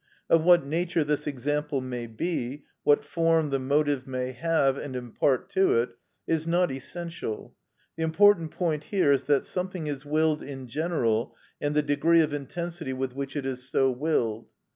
Of what nature this example may be, what form the motive may have and impart to it, is not essential; the important point here is that something is willed in general and the degree of intensity with which it is so willed.